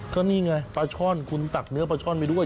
ก็นี่ไงปลาช่อนคุณตักเนื้อปลาช่อนไปด้วย